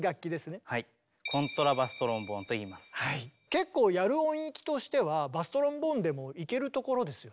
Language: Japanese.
結構やる音域としてはバストロンボーンでもいけるところですよね？